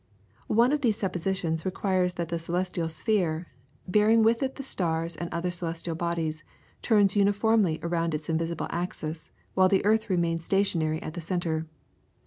One of these suppositions requires that the celestial sphere, bearing with it the stars and other celestial bodies, turns uniformly around an invisible axis, while the earth remains stationary at the centre.